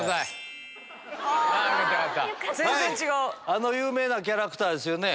あの有名なキャラクターですよね。